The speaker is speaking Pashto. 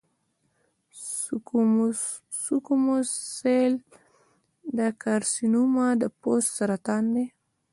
د سکوموس سیل کارسینوما د پوست سرطان دی.